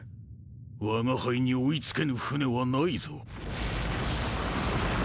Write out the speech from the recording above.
我が輩に追い付けぬ船はないぞ。